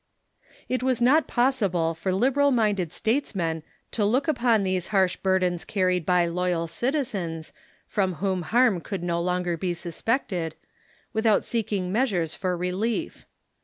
It was not possible for liberal minded statesmen to look upon these harsh burdens carried by loyal citizens, from whom harm could no longer be suspected, without seek '"'Tor'neifer' i"g measures for relief.